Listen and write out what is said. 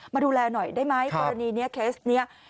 มาดูแลหน่อยได้ไหมกรณีนี้เคสนี้